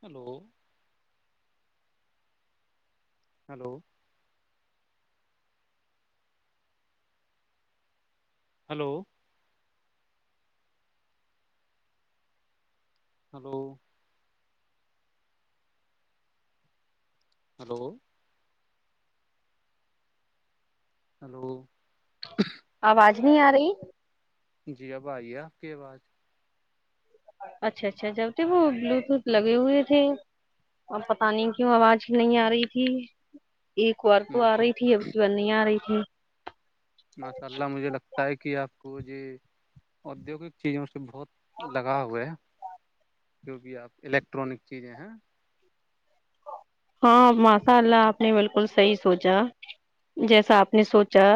hello hello hello hello hello hello آواز [inaudible] نہیں آ رہی جی اب آئیے آپ کی آوازظ اچھا اچھا جب دیکھو بلوٹوتھ لگے ہوئے تھے اب پتا نہیں کیوں آواز نہیں آ رہی تھی ایک بار تو آ ماشا رہی تھی اب کی بار نہیں آ رہی [inaudible] ماشاء اللہ مجھے لگتا ہے کہ آپ کو وہ جی ادیوگک چیزیں اس سے بہت لگا ہوئے ہے جو بھی آپ الیکٹرانک چیزیں ہیں ہاں ماشاء اللہ آپ نے بالکل صحی سوچا جیسا آپ نے سوچا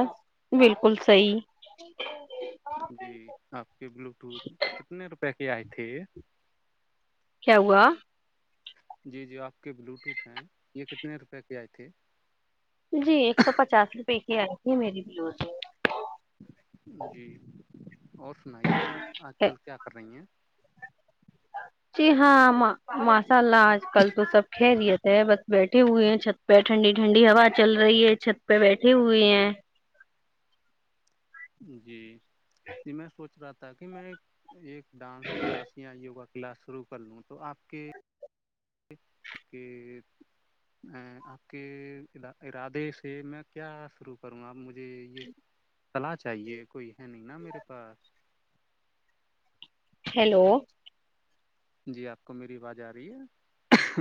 بالکل صحیح جی آپ کے بلوٹوتھ کتنے روپے کے آئے ٹھیک کیا ہوا جی جی آپ کے بلوٹوتھ ہیں یہ کتنے روپے کی آئے تھی یہ میری بلوز ہے جی اور سنائیے آپ آج کل کیا کر رہی ہیں جی ہاں اللہ اج کل تو سب خیریت بس بیٹے ہوئے ہیں چھت پہ ٹھنڈی ٹھنڈی ہوا چل رہی ہے چھت پہ بیٹھی ہوئے ہیں جی میں سوچ رہا تھا کہ میں ایک ڈانس کلاس یا یوگا کلاس شروع کر لوں تو آپ کے کہ ا آپ کے ارادے سے میں کیا شروع کروں گا اپ مجھے یہ صلا چاہیے کوئی ہے نہیں نا میرے پاس ہیلو جی اپ کو میری اواز جا رہی ہے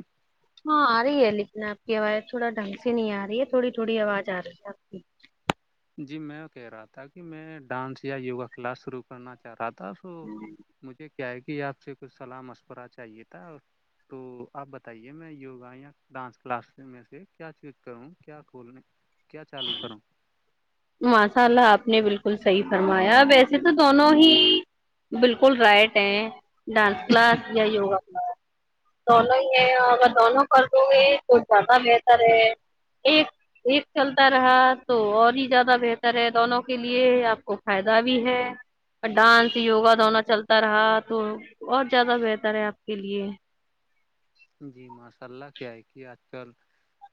ہاں آ رہی ہے لیکن آپ کی آواز تھوڑا ڈھنگ سے نہیں آ رہی ہے تھوڑی تھوڑی آواز آ رہی ہے آپ کی جی میں کہہ رہا تھا کہ میں ڈانس یا یوگا کلاس شروع کرنا چاہ رہا تھا تو مجھے کیا ہے کہ آپ سے کچھ صلاح مشورہ چاہیے تھا تو آپ بتائیے میں یوگا یا ڈانس کلاس میں سے کیا چیز کروں کیا کھولنے کیا چالو کرو ماشاء اللہ آپ نے بالکل صحیح فرمایا ویسے تو دونوں ہی بالکل رائٹ ہیں ڈانس کلاس یا یوگا دونوں ہی ہیں اگر دونوں کر د گے تو زیادہ بہتر ہے ایک ایک چلتا رہا تو اور زیادہ بہتر ہے دونوں کے لیے آپ کو فائدہ بھی ہے اور ڈانس یوگا دونوں چلتا رہا تو بہت زیادہ بہتر ہے آپ کے لیے جی ماشاء اللہ کیا ہے کہ آج کل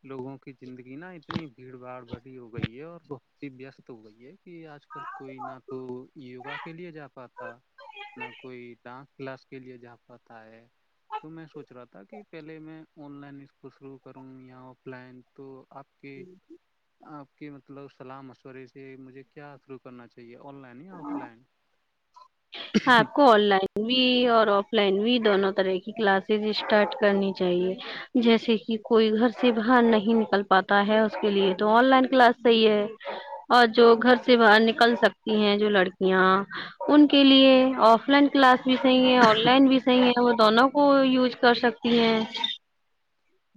لوگوں کی زندگی نا اتنی بھیڑ بھاڑ بڑی ہو گئی ہے اور بہت ہی وستست ہو گئی ہے کہ آج کل کوئی نہ تو یوگا کے لیے جا پاتا نہ کوئی ڈانس کلاس کے لیے جہاں پتا ہے تو میں سوچ رہا تھا تاکہ پہلے میں آن لائن اسکول شروع کروں یا آف لائن تو آپ کے آ [inaudible] کہ مطلب سلح مشورے سے مجھے کیا شروع کرنا چاہیے آن لائن یا آف لائن ہاں آپ کو آن لائن بھی اور آف لائن بھی دونوں طرح کی کلاسز اسٹارٹ کرنی چاہیے جیسے کہ کوئی گھر سے باہر نہیں نکل پاتا ہے اس کے لیے تو آن لائن کلاس صحیح ہے اور جو گھر سے باہر نکل سکتی ہیں جو لڑکیاں ان کے لیے آف لائن کلاس بھی صحیح ہے آن لائن بھی صحیح ہے وہ دونوں کو یوز کر سکتی ہیں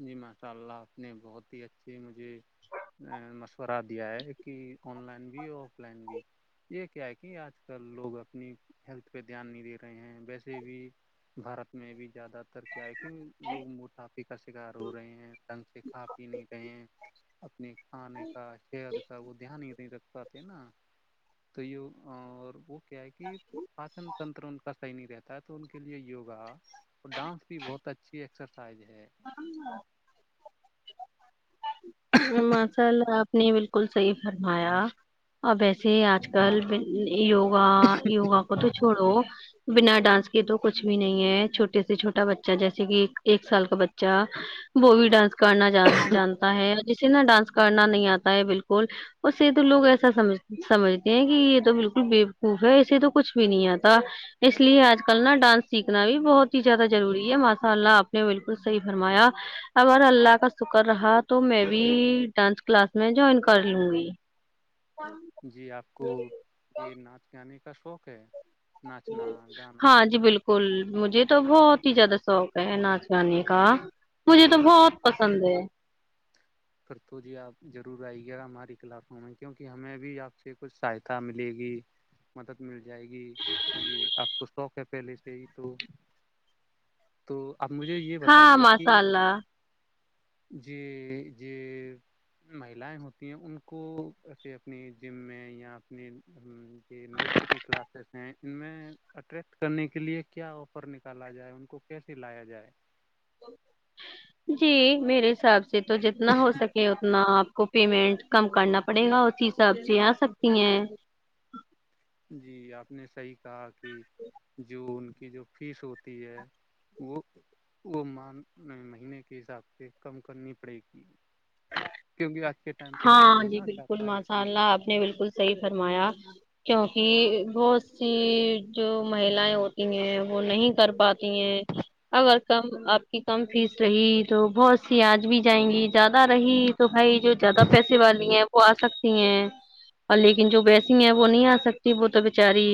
جی ماشاء اللہ آپ نے بہت ہی اچھے مجھے ا مشورہ دیا ہے کہ آن لائن بھی اور آف لائن بھی یہ کیا ہے کہ آج کل لوگ اپنی ہیلتھ پہ دھیان نہیں دے رہے ہیں ویسے بھی بھارت میں بھی زیادہ تر کیا ہے کہ لوگ موٹافے شکار ہو رہے ہیں تنگ سے کھا پی نہیں رہئے ہیں [unintelligible] کھانے کا صت کا وہ دھیان نہیں نا تو یہ اور وہ [inaudible] کیا کہ پاچن تنتر ان کا [inaudible] صحیح نہیں رہتا ہے تو ان کے لیے یوگا اور ڈانس بھی بہت اچھی ایکسرسائز ہے [unintelligible] مسالہ [inaudible] نے بالکل صحیح فرمایا اور ویسے ہی آج کل یوگا یوگا کو تو چھوڑو بنا ڈانس کے تو کچھ بھی نہیں ہےھوٹے سے چھوٹا بچہ جیسے کہ ایک سال کا بچہ ا وہ بھی ڈانس کرنا جان جانتا ہے جسے نا ڈانس کرنا نہیں آتا ہے بالکل اسے تو لوگ ایسا سمجھ سمجھتے ہیں کہ یہ تو بالکل بےوقوف ہے اسے تو کچھ بھی نہیں آتا اس لیے آج کل نا ڈانس سیکھنا بھی بہت ہی زیادہ ضروری ہے ماشاء اللہ آپ نے بالکل صحیح فرمایا اگر اللہ کا شکر رہا تو میں بھی ڈانس کلاس میں جوائن کر لوں گی جی آپ کو یہ ناچ گانے [inaudible] کا شوق ہے [unintelligible] ناچنا گانا ہاں جی بالکل مجھے تو بہت ہی زیادہ شوق ہے ناچ گانے کا مجھے تو بہت پسند ہے کر تو جی آپ ضرور آئیےا ہمارے کلاقوں میں کیونکہ ہمیں بھی آپ سے کچھ سہایتا ملے گی مدد ملی جائے گی کیونکہ آپ کو سوق پہلے سے ہی تو تو آپ مجھے یہ ہاں بتائیے کہ ماشاء اللہ جی [inaudible] ج مہیلائیں ہوتی ہیں ان کو ایسے اپنی جم میں یا اپنی نرت کی کلاسز ہیں ان میں اٹریکٹ کرنے کے لیے کیا آفر نکالا جائے ان کو کیسے لایا جائے [unintelligible] تو جتنا ہو سکے اتنا آپ کو پیمنٹ کم کرنا پڑے گا اسی حساب سے آ سکتی ہیں جی آپ نے صحیح کہا کہ جون کی جو فیس ہوتی ہے وہ وہ م مہینے کے حساب سے کم کرنی پڑے گی کیونکہ آج کے ٹائم پہ ہر ہاں کوئی نہ جی بالکل چاہتا ہے ماشاء کہ اللہ آپ نے بالکل صحیح فرمایا کیوںکہ بہت سی جو مہیلائیں ہوتی ہیں وہ نہیں کر پاتی ہیں اگر کم آپ کی کم فیس رہی تو بہت سی آج بھی جائیں گی ج زدہ رہی تو بھائی جو زیادہ پیسے والی ہیں وہ آ سکتی ہیں اور لیکن جو بییسی ہیں وہ نہیں آ سکتی وہ تو بچاری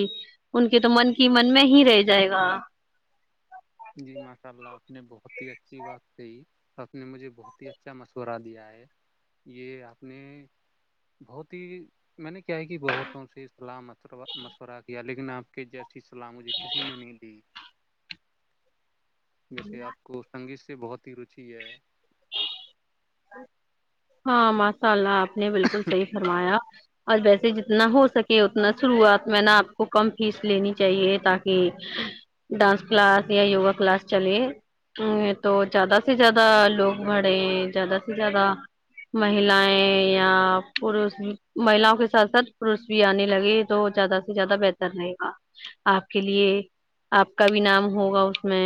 ان کے تو من کی من میں ہی رہ جائے گا جی ماشاء اللہ آپ نے بہت ہی اچھی بات کہی آپ نے مجھے بہت ہی اچھا مشورہ دیا ہے یہ آپ نے بہت ہی میں نے کہ بہتوں سے سلاح مشورہ کیا لیک ناپ کے جس اچھی صلاح مجھے کسی نے نہیں دی جیسے آپ کو سنگت سے بہت ہی روچی ہے [unintelligible] نے بالکل صحیح فرمایا اور ویسے جتنا ہو سکے اتنا شروعات میں نا آپ کو کم فیس لینی چاہیے تاکہ ڈانس کلاس یا یوگا کلاس چلے تو زیادہ سے زیادہ لوگ بڑیں زیادہ زیادہ مہیلاائیں یا پوش بھی مہیلاؤں کے ساتھ ساتھ پوش بھی آنے لگے تو زیادہ سے زیادہ بہتر رہے گا آپ کے لیے آپ کا بھی نام ہوگا اس میں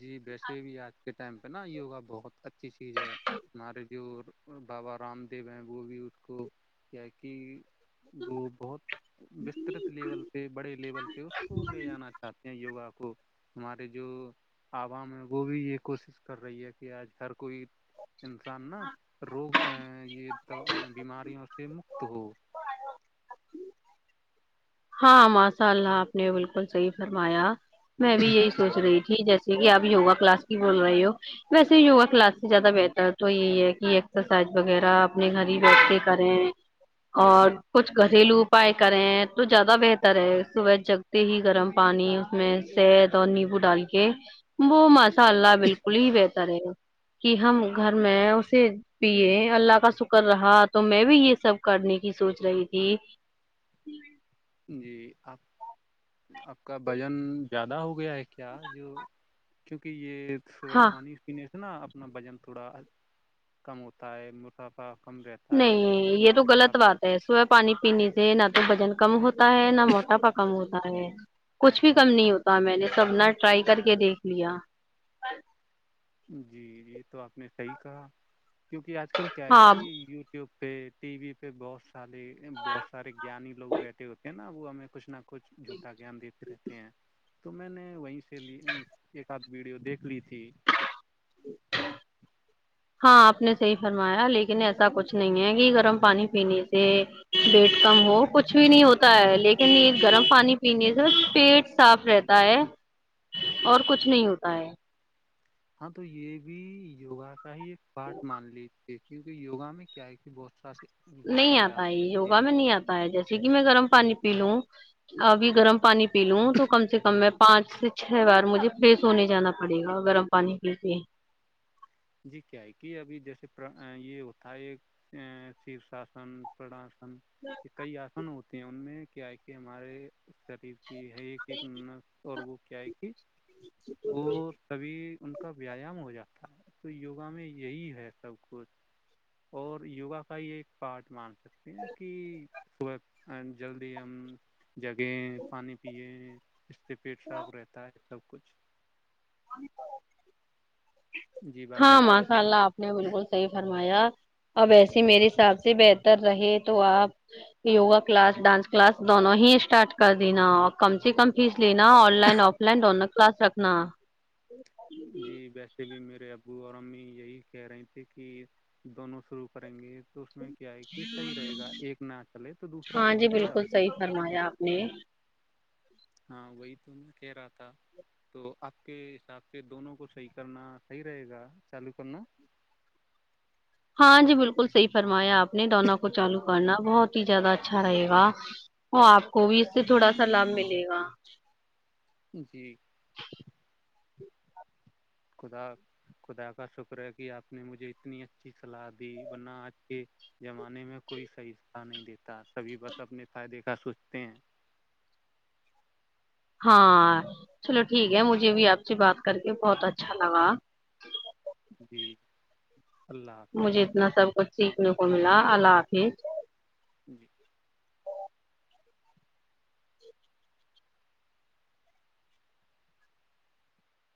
جی ویسے بھی آج کے ٹائم پہ نا یوگا بہت اچھی چیز ہے ہمارے جو بابا رام دیو ہیں وہ بھی اس کو کہ وہ بہت وسترت لیول پہ بڑے لیول پہ اس کو لے جانا چاہتے ہیں یوگا کو ہمارے جو عوام ہے وہ بھی یہ کوشش کر رہی ہے کہ آج ہر کوئی انسان نا روگ ا یہ بیماریوں سے مکت ہو ہاں ماشاء اللہ آپ نے بالکل صحیح فرمایا میں بھی یہی سوچ رہی تھی جیسے کہ آپ یوگا کلاس کی بول رہے ہو ویسے یوگا کلاس سے زیادہ بہتر تو یہی ہے کہ ایکسرسائز وغیرہ اپنے گھر ہی بیٹھتے کریں اور کچھ گھریلو اپائے کریں تو زیادہ بہتر ہے صبح جگتے ہی گرم پانی اس میں سید اور نیمبو ڈال کے وہ مست اا اللہ بالکل ہی بہتر ہےا کہ ہم گھر میں اسے پیے اللہ کا شکر رہا تو میں بھی یہ سب کرنے کی سوچ رہی تھی جی آپ آپ کا بھجن زیادہ ہو گیا ہے کیا جو کیونکہ یہ صبح ہاں پانی پینے اناا اپنا وزن تھوڑا کم ہوتا ہے مسافع نہیں یہ تو غلط بات ہے سبح پانی پینے سے نہ تو وزن کم ہو ہوتا ہے نہ موٹاپا کم ہوتا ہے کچھ بھی کم نہیں ہوتا میں نے سبنا ٹرائی کر کے دیکھ لیا جی جی تو آپ نے صحیح کہا کیونکہ آج کل کیا ہے ہاں کہ یوٹیوب پہ ٹی وی پہ بہت تالے بہت سارے جانی لوگ بیٹھے ہوتے ہیں نہ وہو ہمیں کچ نہ کچھ جھوٹا گیان دیتے رہتے ہیں تو میں نے وہیں سے ایک آدھ ویڈیو دیکھ لی تھی [inaudible] ہاں آپ نے صحیح فرمایا لیکن ایسا کچھ نہیں ہے کہ گرم پانی پینے سے پیٹ کم ہو کچھ بھی نہیں ہوتا ہے لیکن یہ گرم پانی پینے سے پیٹ صاف رہتا ہے اور کچھ نہیں ہوتا ہے ہاں تو یہ بھی یوگا کا ہی ایک پارٹ مان لیجیے دیکھے کیونکہ یوگا میں کیا ہے کہ بہت سارا سے نہیں آتا ہےیوگا میں نہیں آتا ہے جیسے کہ میں گرم پانی پی لوں اب گرم پانی پی لوں تو کم سے کم میں پانچ سے چھ بار مجھے فری سونے جانا پڑے گا گرم پانی پی کے جی کیا ہے کہ ابھی جیسے یہ ہوتا ہے شیر شن شاسن کہ کئی آسن ہو ان میں کیا ہے کہ ہمارے شریف کہ ہے ایک ایک ن اور وہ کیا ہے کی وہ کبھی ان ویایام ہو جاتا ہے تو یوگا میں یہی ہے سب کچھ اور یوگا کا ہی ایک پارٹ مان سکتے ہیں کہ صبح جلدی ہم جگیں پانی پییں پیٹ صاف رہتا ہے سب کچھ ہاں جی ہاں باقی آپ ماشاء سنائیے اللہ آپ نے بالکل صحیح فرمایا اب ایسے میرے حساب سے بہتر رہے تو آپ یوگا کلاس ڈانس کلاس دونوں ہی اسٹارٹ کر دینا اور کم سے کم فیس لینا آن لائن آف لائن دونوں کلاس رکھنا جی ویسے بھی میں ے ابو اور امی یہی کہہ رہی تھھی کہ دونوں شروع کریں گے تو اس میں کیا ہے کہ صحیح رہے گا ایک نہ چلے تو دوسرا ہاں تو جی چلے گا بالکل صحیح فرمایا آپ نے ہاں وہی تو میں کہہ رہا تھا تو آپ کے حساب سے دونوں کو صحیح کرنا صحیح رہے گا چالو کرنا ہاں جی بلکل صحیح فرمایا آپ نے دونوں کو چالو کرنا بہت ہی زیادہ اچھا رہے گا اور آپ کو بھی اس سے تھوڑا سا لابھ ملے گا جی خدا خدا کا شکر ہے کہ آپ نے مجھے اتنی اچھی صلاح دی ورنہ اج کے آ کے زمانے میں کوئی صحیح ا نہیں دیتا سبھی بس اپنے فائدے کا سوچتے ہیں ہاں چلو ٹھیک ہے مجھے بھی آپ سے بات کر کے بہت اچھا لگا جی اللہ مجھے حافظ اتنا سب کچھ سیکھنے کو ملا اللہ حافظ جی